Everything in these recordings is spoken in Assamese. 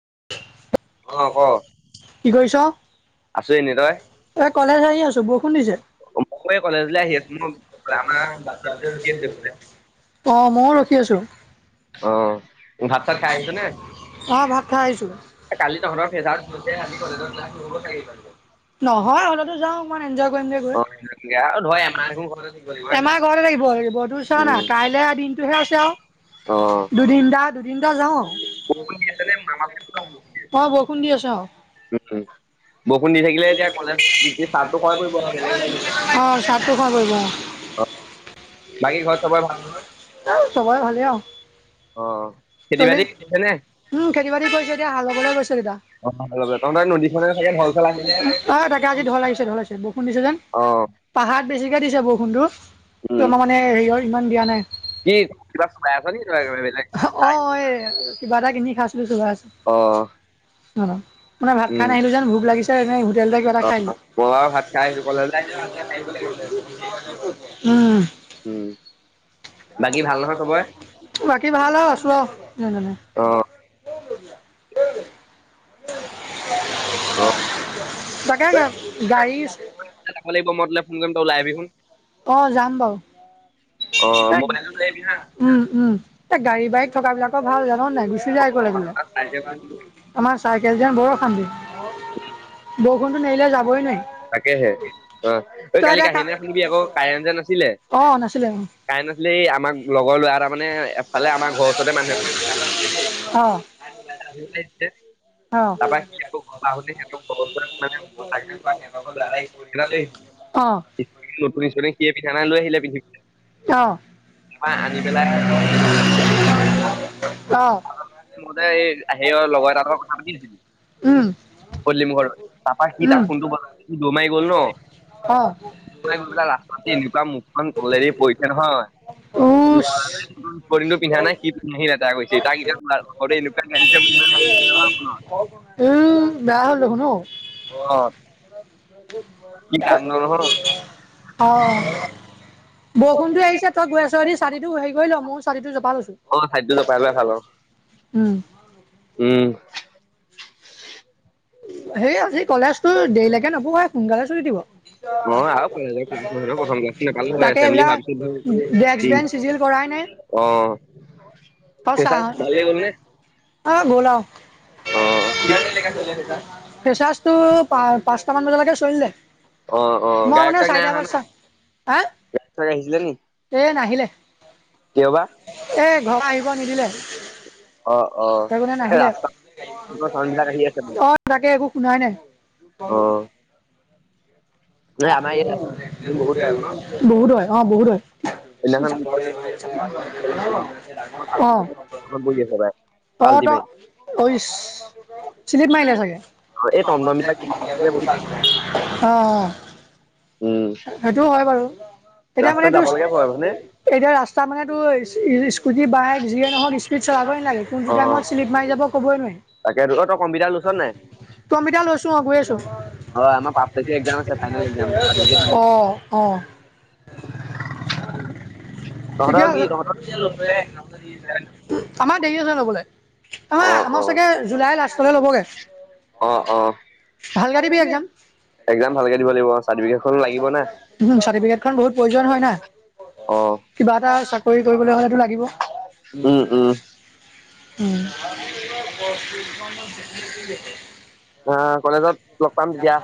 [unintelligible] অহ ক, কি কৰিছ? আছো এনে তই এ কলেজ আহি আছো বৰষুণ দিছে। মই কলেজলৈ আহি আছো মই আমাৰ বাচ্ছাটোৱে ৰখি আছে বোলে। অ ময়ো ৰখি আছো। অ ভাত চাত খাই আহিছ নে? অ ভাত খাই আহিছো। কালি তহঁতৰ ফেচাৰ নহয় হলেটো যাওঁ অকনমান এনজয় কৰিমগে গৈ। অ আৰু ধৰ এমাহ দেখোন ঘৰতে হয়। এমাহ ঘৰ লাগিব লাগিব তোৰ চোৱানা উম কাইলে দিনটোহে আছে আৰু। অ দুদিন তাত দুদিনটা যাও, আছে নে? অ বৰষুণ দি আছো অ। উম। বৰষুণ দি থাকিলে এতিয়া কলেজ চাহটো খোৱাই পৰিব [unintelligible] অ চাহটো খাব পাৰিব। বাকী ঘৰত চবৰে ভাল সবাই ভালে আৰু। অ খেতি চলি বাতি কৰিছে নে? উম খেতি বাতি কৰিছে দিয়া এতিয়া হাল বাবলে গৈছে এতিয়া। অ তহঁতৰ নদীখনে চাগে ঢল চল আহিলে ন অ তাকে আজি ঢল আহিছে ঢল আহিছে বৰষুণ দিছে যেন। অ পাহাৰত বেছিকে দিছে বৰষুণতো, উম তোমাৰ মানে হেৰিয়ৰ ইমান দিয়া নাই। কি? কিবা চলাই আছ নি তই বেলেগ অ এই কিবা এটা কিনি খাইছিলো চোবাই আছোঁ। অহ। মানে ভাত খাই নাহিলো যেন ভোক লাগিছে এনেই তেলতে কিবা এটা অ খাই মই বাৰু ভাত খাই আহিছো কলেজলে দিলো। উম। উম। বাকী ভাল নহয় চবৰে বাকী ভাল আৰু আছো অ যেনেতেনে। অ [unintelligible] তাকে গা যাব গাড়ীচ লাগিব মই তোলে ফোন অ যাম বাৰু। এক, কৰিম উম উম এ গাড়ী -বাইক থকাবিলাকৰ ভাল। জান নে নাই গুচি যাই অকলে অকলে, তই ওলাই আহিবিচোন আমাৰ চাইকেল যে বৰ অশান্তি। বৰষুণটো নেৰিলে যাবই নোৱাৰিম তাকেহে অ এই তই কালি এতিয়া কা কাহিনী এটা শুনিবি আকৌ অ নাছিলে অ কাইন নাছিলে এই আমাক লগৰ ল'ৰা এটা মানে এফালে আমাৰ ঘৰৰ ওচৰতে মানুহে অ [unintelligible] [unintelligible] অ অ অ নতুন ইচপতিঙ সিয়ে পিন্ধা লৈ আহিলে পিন্ধিপিনি। অ', পাই আনি পেলাই [unintelligible] মোৰমতে এই সেৰিয়ৰ লগৰ কথা পাতিবি উম, পল্লিম ঘৰত তাপা সি তাৰ উম, ফোনটো স দ মাৰি গ'ল অ', ন লাষ্ট এনেকুৱা মুখখন তলেৰি পৰিছে নহয়। উচ নতুন ইচপটিঙ পিন্ধা নাই সি পিন্ধি লেতেৰা কৰিছে তাক এতিয়া [unintelligible] ইমান হাঁহি উঠিছে নহয় ফোনত উম বেয়া হ'ল দেখোন ঔ অহ অ কি কাণ্ড নহয় অ বৰষুণটো এৰিছে তই গৈ আছ যদি ছাটিটো হেৰি কৰি ল মও ছাটিটো জপ- অ চাতিটো জপাই ললে ভাল অ উম, উম সেই আজি কলেজতো দেৰিলৈকে নপঢ়াই সোনকালে ছুটি দিব। অ আৰু কলেজৰ ক্লাছ নহয় নহয় প্ৰথম ক্লাছটো নাপালো হয় তাকে এছেম্বলি এইবিলাক হোৱাৰ পিছত ডেক্স বেঞ্চ চিজিল কৰা অ অ চা ফ্ৰেচাৰ্ছ ভালে গ'ল নে অ গল আও অ ফেচাচ টো পা-পাঁচটামান বজালৈকে চলিলে অ অ মই গায়ক মানে চায়ক নাই চাৰিটা অহা ন পাচটা হা! চাগে আহিছিলে নি এ নাহিলে কিয় বা এ ঘৰত পৰা আহিব নিদিলে। অ অ টেগোনে এই নাহিলে ৰাস্তা চাউণ্ড বিলাক আহি আছে মানে অ তাকে একো শুনাই নাই। অ নাই আমাৰ ইয়াত বহুত গায়ক। বহুত হয় অ বহুত হয় সেইদিনাখন আহ অলপ বহি আছে পাই, অ পাল্টি ত মাৰি অইচ চিলিপ মাৰিলে চাগে এই টমটম বিলাক অ‌ অ উম সেইটোও হয় বাৰু এতিয়া মানে ৰাস্তাত যাব তোৰ লাগে ভয় মানে এতিয়া ৰাস্তা মানে তোৰ ই স্কুটি বাইক যিয়ে নহওক স্পীড চলাবই নালাগে কোনটো অ টাইমত শ্লিপ মাৰি যাব ক'বই নোৱাৰি। তাকে অ তই কম্পিউটাৰ লৈছ নাই ত অমিতা লৈছো অ গৈ আছো। অ আমাৰ পাঁচ তাৰিখে এক্জাম আছে ফাইনেল এক্জাম অ অ [unintelligible] ঠিকে তহঁতৰ কি আছে তহঁতৰ কি লৈছে? আমাৰ দেৰি আছে জাবলে অ আমাৰ-আমাৰ চাগে জুলাই লাষ্টলৈ ল'বগে অ-অ একজাম ভালকে দিব লাগিব চাৰ্টিফিকেটখন লাগিব না চাৰ্টিফিকেটখন বহুত প্ৰয়োজন হয় না। অ কিবা এটা চাকৰি কৰিবলৈ হলেটো লাগিব উম উম উম আহ কলেজত লগ পাম তেতিয়া।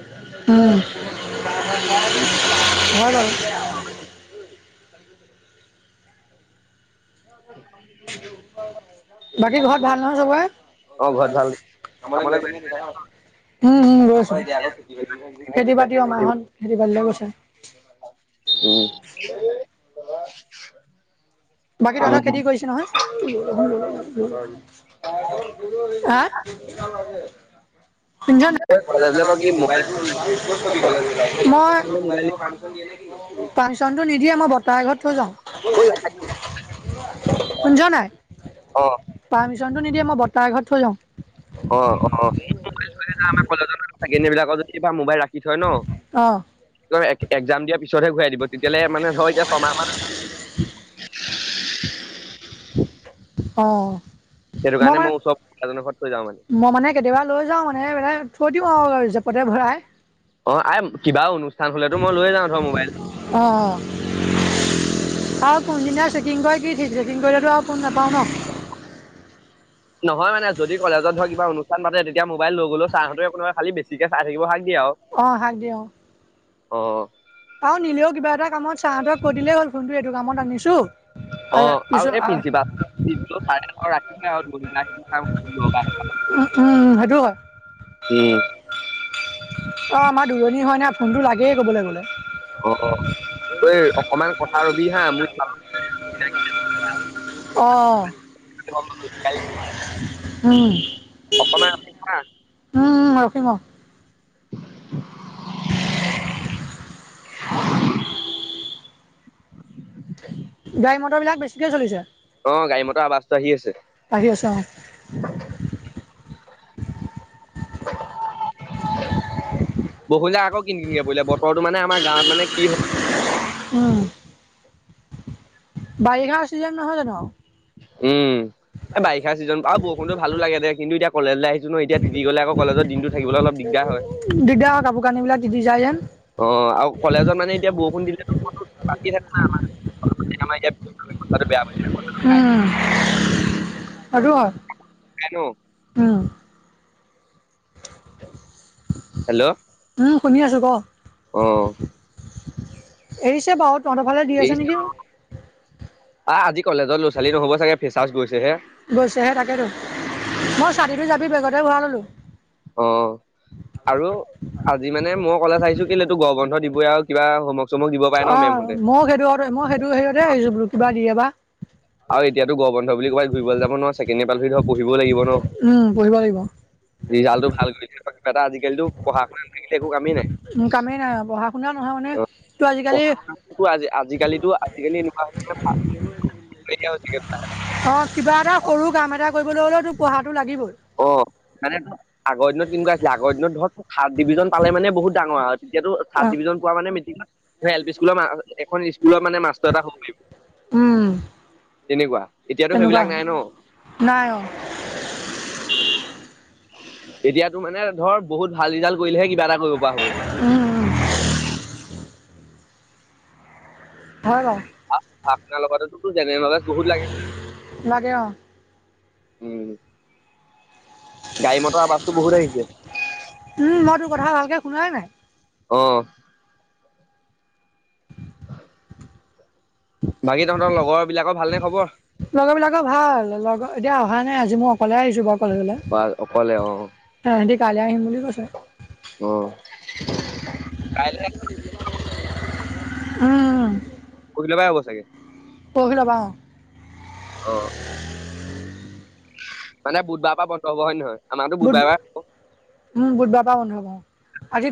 উম বাকী ঘৰত ভাল নহয় চবৰে অ ঘৰত ভাল কামলৈ গৈ উম-উম গৈ আছোঁ। খেতি-বাতি লাগিব মাহত খেতি বাতিলে গৈছে। উম বাকীতহঁতৰ খেতি কৰিছে নহয় হা! লাগে শুনিছ নাই কলেজলে তই কি মই মোবাইল মোবাইল পাৰমিচনটো নিদিয়ে মই বৰ্তা ঘৰত থৈ যাওঁ শুনিছ নাই? অ পাৰ্মিশনটো নিদিয়ে মই বৰ্তা ঘৰত থৈ যাওঁ। অ আমাৰ কলেজৰ ছেকেণ্ডয়াৰবিলাকৰ যদি মোবাইল ৰাখি থয় ন অ', ত এক্সাম দিয়াৰ পিছতহে ঘূৰাই দিব তেতিয়াহলে মানে হয় এতিয়া ছমাহত অ সেইটো মই কাৰণে মানে ওচৰ এজনৰ ঘৰত থৈ যাওঁ মই মানে কেতিয়াবা লৈ যাও মানে বোলে থৈ দিওঁ আও জেপতে ভৰাই অ আ কিবা অনুষ্ঠান হলেতো মই লৈ যাওঁ ধৰ মোবাইল অ-অ আৰু কোনদিনীয়া চেকিং কৰে কি ঠিক চেকিং কৰিলেটো আৰু ফোন নাপাওঁ ন নহয় মানে যদি কলেজত ধৰ কিবা অনুষ্ঠান পাতে তেতিয়া মবাইল লৈ গলেও ছাৰহঁতে একো নকৰে খালি বেছিকে চাই থাকিব দিয়ে আৰু অ, শাক দিয়ে অ। অ। অ, নিলেও কিবা এটা কামত ছাৰহঁতক কৈ দিলেই হ'ল ফোনটো এইটো কামত আনিছো। অ, আৰু এই পিছত প্ৰিন্সিপাল চাৰে ৰাখি থৈ আও। উম, উম সেইটো হয়। উম। অঁ, আমাৰ দূৰণি হয় নাই ফোনটো লাগেই ক'বলৈ গ'লে। আৰু ৰবি হা মই অ'। [unintelligible] হয়। অকনমান ৰখি থাক। ৰখিম অ [unintelligible] [unintelligible] গাড়ী মটৰ বিলাক বেছিকে চলিছে। ৰাস্তা আহি আছে। আহি আছে অ বৰুষুণজাক আকৌ কিনিনে ব বতৰটো মে আমাৰ গাঁৱত মানে কি হয় উম। বাৰিষা চিজন নহয় জানো? উম। এ, বাৰিষা চিজন আৰু বৰষুণত ভাল লাগে দে। কিন্তু, এতিয়া কলেজলৈ আহিছো ন এ তিতি গলে আকৌ কলেজ দিনটো থাকিব অলপ দিগদাৰ হয়। দিগদাৰ হয়, কাপোৰ কানিবিলাক তিতি যায় যে। অ, আৰু কলেজত মানে এতিয়া বৰষুণ দিলে থ আমাৰ আমাৰ বেয়া পায়। উম। আৰু খাই ন উম। উ। হেল্ল'। শুনি আছো, ক। অহ। এৰিছে বহুত। এৰিছে অহ, আজি কলেজৰ ল'ৰা-ছোৱালী নহ'ব চাগে ফেচাচ গৈছেহে। গৈছেহে তাকেতো মই ছাতিটো জাপি বেগতে ভৰাই ললো। অ'। আৰু আজি মানে মই কলেজ আহিছো কিন্তু এইটো গৰ বন্ধ দিবই আৰু কিবা সম অ', মই সেইটোতে মই সেইটো সেতে আহিছো বোলো কিবা দিয়ে বা। আৰু এতিয়াতো গৰম বন্ধ বুলি ক'বাত ঘূৰিবলৈ যাব নোৱাৰোঁ নহয় ছেকেণ্ড এ পালৰি ধৰ পঢ়িবও লাগিব ন? উম পঢ়িব লাগিব। ৰিজাল্টটো ভাল কৰিছে তাক এটা আজিকালিতো পঢ়া শুনাাত নাথাকিলে একো কামেই নাই। মনে ত পঢ়া শুনা আজি আজিকালি-আজিকালি এনেকুৱা [unintelligible] অ', কিবা এটা কৰো কাম এটা কৰিবলৈ হ'লে লগিবৈ। অ মানে আগৰ দিনত কেনেকুৱা আছিল আগ দিনত ধৰ থাৰ্ড ডিভিজন পালে মানে বহুত ডাঙৰ আৰু। এতিয়াতো থাৰ্ড অ' ডিভিজন পোৱা মানে মিটিঙত এল পি স্কুলৰ এখন স্কুলৰ মানে মাষ্টৰ এটা হ'ব পাৰিবি। উম তেনেকুৱা। এতিয়াতো তেনেকুৱা সেইবিলাক নাই ন? নাই অ' [unintelligible] এতিয়াাতো মানে ধৰ বহুত ভাল ৰিজাল্ট কৰিলেহে কি কিবা এটা কৰিব পৰা হ'ব উম উম গে। হয় বাৰু। আপোনাৰ লোকৰটো জেনেৰেল নলেজ বহুত লাগে? লাগে অ' উম'। গাড়ী মটৰ আৱছতটো বহুত আহিছে এয়া শুনাই নাই? অ'। বাকী তহঁতৰ লগৰ বিলাকৰ ভালনে খবৰ লগৰ বিলাকৰ ভাল লগৰ এতিয়া হয় নাই আজি মই অকলে আহিছোঁ বাৰু। বা অকলে অ'। কালিলৈ আহিম বুলি কৈছে অ', কাইলৈ উম'- উম'। পৰহি লৈ পৰা হ'ব চাগে? পৰহিলৈ পৰা অ'। অ'। মানে বুধবাৰৰ পৰা বন্ধ হ'ব হয় নে নহয়? আমাৰতো বুধ, বুধবাৰৰ উম', বুধ বাৰ পৰা বন্ধ হ'ব অ'।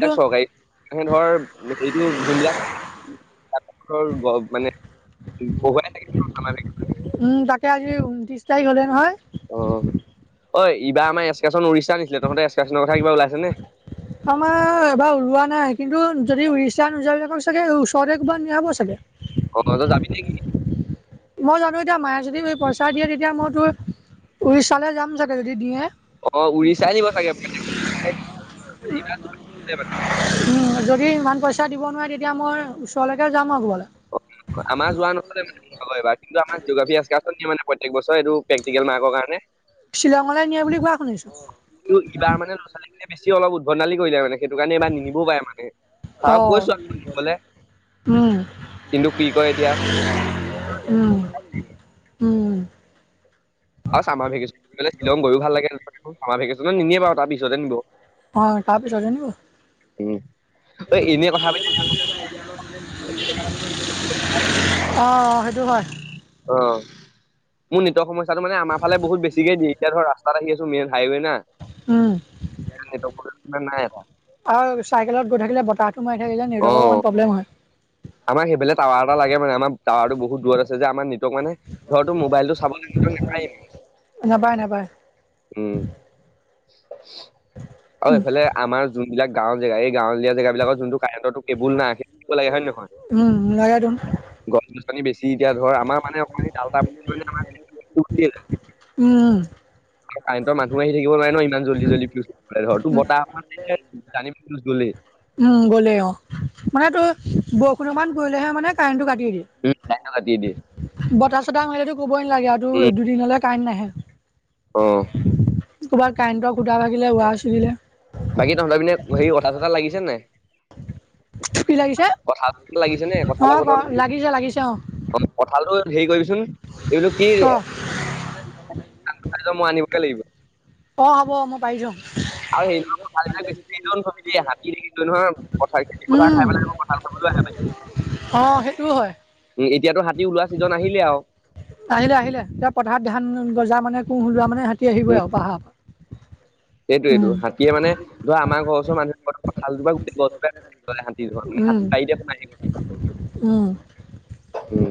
তাক চৰকাৰী [unintelligible] ধৰ হেৰিটো কোনবিলাক ৰ মানে বহুৱাই থাকে [inaudible] উম', তাকে আজি ঊনত্ৰিছ তাৰিখ হলে নহয়। অ'-অ', অই ইবাৰ আমাৰ এ্কাশ্যন উডৰিষ্যা নিছিলে, তহঁতে এ্কশ্যনৰ কথা কিবা ওলাইছে নে আমাৰ এবাৰ ওলোৱা নাই কিন্তু যদি উৰিষ্যা নোযোৱা বিলাকক চাগে ওচৰে ক'ৰবাত নিয়াব চাগে? অ', তই যাবি নেকি? মই জানো এতিয়া মায়ে যদি পইচা দিয়ে তেতিয়া মইতো উৰিষ্যালৈ যাম চাগে যদি দিয়ে। অ', উৰিষ্যা নিব ছাগে? উম [inaudible] যদি ইমান পইচা দিব নোৱাৰে তেতিয়া মই ওচৰলৈকে যাম আৰু কৰবালৈ। আমাৰ যোৱা নহলে [inaudible] এইবাৰ কিন্তু আমাৰ জিঅ'গ্ৰাফিক একাৰ্ষণ [inaudible] মানে প্ৰত্যেক বছৰে এইটো প্ৰেকটিকেল মাৰ্কৰ কাৰণে। শ্বিলঙলৈ নিয়ে বুলি কোৱা শুনিছো। ইবাৰ মানে লৰা ছোৱালীখিনে বেছি অলপ উদ্ভণালি কৰিলে মানে। সেইটো কাৰণে এইবাৰ নিনবও পাৰে মানুে, অ ছাৰক কৈছো আৰু নিবলৈ- উম কিন্তু কি কয় এতিয়া। উম', উম'-উম'। আৰু সামাৰ ভেকেশনত শ্বিলং গৈও ভাল লাগে ভেকেশনত নিনিয়ে বাৰু তাৰ পিছতে নিব- অ তাৰ পিছতে নিব- এনে কথা পাতি অ- [unintelligible] অ মোৰ নিজৰ সমস্যাটো মানে আমাৰ ফালে বহুত বেছিকে দিয়ে এতিয়া ধৰ ৰাস্ত- ত কিছো মেইন হাইৱে ন- উম আৰু চাইকেলত গৈ ইমান নাই এটা। থাকিলে বতাহ- সোমাই থাকি যে নেটৱৰ্কৰ অকমান প্ৰব্লেম হয়- আমাক সেইফাল টাৱাৰ এটা লাগে মানে আম টাৱাৰ বহুত দূৰত আছে যে আমাৰ নেটৱৰ্ক মানে ধৰো মোবাইল টো চাব লাগে- নেটৱৰ্ক নাপায় - নাপায় নাপায়- আৰু উম এইফালে আমাৰ যোনবিলাক গাঁওৰ জেগা এই গাঁৱলীয়া জেগ বিলাকৰ যোনটো- কাৰেণণ্টটো কেবুল নাই [inaudible] লাগে হয় নে নহয়- উম লাগে তুন- গছ গছনি বেছি এতিয়া ধৰ আমাৰ মানে [unintelligible] উম আৰু কাৰেণ্টৰ মানুহো আহি থাকিব নোৱাৰে ন ইমান জলদি জলদি ঘৰো বতাহক গলেই উম গ'লেই অ মানে তোৰ বৰষুণৰ মান পৰিলেহে মানে কাৰেণ্টো কাটি‌ দিয়ে লাইনটো কাটিয়ে দিয়ে বতাহ চতাহ মাৰি কবই নালাগে আৰু দুদিনলৈ কাৰেণ্টে নাহে। অঁ ক'ৰবাত কাৰেণ্টৰ খুটা ভাগিলে, ৱাৰ চিগিলে। বাকী তহঁতৰ পিনে হেৰি কঠাল চথাল লাগিছে নে কি লাগিছে কঠাল লাগিছে নে অ কঠালৰ ক বতৰ লাগিছে লাগিছে অ ত কঠালটো হেৰি কৰিবিচোন এইটো কি? ক [inaudible] ত মই আনিবকে লাগিব। অ হ'ব অ মই পাৰিছো। আৰু সেইৰিৰ পথাৰবিলাক বেছি নাববি দেই হাতী থিল নহয় পথাৰ খেতি পথাৰ উম খাই প লাগিব পথাৰ চাব। [unintelligible] নাই অ সেইটোও হয় উ এতিয়াতো হাতী ওলোৱা ছিজন আহিলে আৰু আহিলে আহিলে এতিয়া পথাৰত ধান গজা মানে কু লোৱা মানে হাতী আহিবই আৰু পাহাৰ পৰা এইটো এইটো উম হাতীয়ে মানে ধৰা আমাৰ ঘৰওচৰ মানুহৰ গোটেই গছ উঘালি হাতীৰ উম হাতী পাৰ প [inaudible] উম উম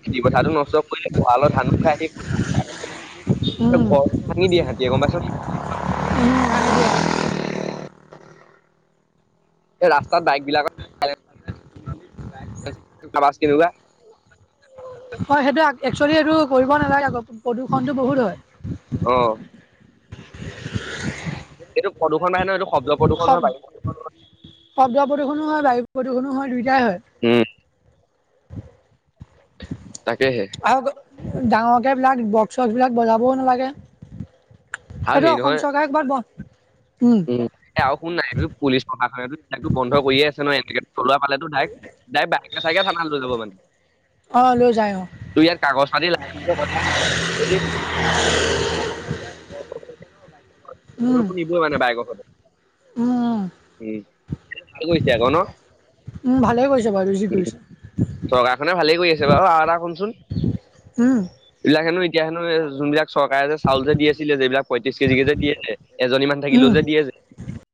খেতি পথটো নষ্ট কৰিলে ভৰালত ধানো খাই দিয়ে উম ঘৰ ভাঙি দিয়ে হাতীয়ে গম পায়েইচ নাই উম উ আহিবই আৰু [unintelligible] এই ৰাস্তাত বাইক বিলাকৰ [inaudible] ছ [unintelligible] হয় সেইটো একচুৱেলি এইটো কৰিব নালাগে আ প্ৰদূৰ্ষণতটো বহুত হয়। অ এইটো প্ৰদূষণ হয়ে ন এইটো শব্দ প্ৰদূষণ হয় বায়ু শব্দ শব্দ প্ৰদূষণনো হয় বায়ু - প্ৰদূষণো হয় দুইটাই উম হয় তাকেহে আৰু ডাঙৰ বলাক বক্স বিলাক বজাবও নালাগে এইটো অসম চৰকাৰে একবাৰ বন্ধ উ এ আৰু শুন নাই পুলিচ প্ৰশাসনে তাইত বন্ধ কৰিয়ে আছে নয় এনেকে থলোৱা পালেতো ডাইৰেক ডাইক বাইকে চাইকে থানা লৈ যাব মানে অঁ লৈ যায় অ তোৰ ইয়াত কাগজ পাতি লাইচেঞ্চৰ কথাই [inaudible] ৰ নিভোৱাে বাই ওম উম কৈছে আক ন। উম ভালেই কৰিছে বাৰু যি কৰিছে চৰকাৰখনে ভালেই কৰি আছে বাৰু আৰু এটা শোন চোন হ [unintelligible] এতিয়া হেনো যোনবিলাক চৰকাৰে যে চাউল যে দি আছিলে যে এবিলাক পয়ত্ৰিশ কেজি কে যে দিয়ে যে এজনী মানুহ থাকিলেও উম যে দিয়ে যে [unintelligible]